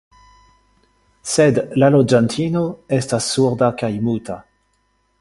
Sed la loĝantino estas surda kaj muta.